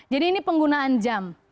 jadi ini penggunaan jam